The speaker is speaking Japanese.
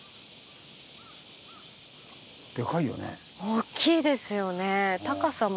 大きいですよね。